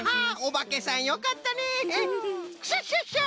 クシャシャシャ！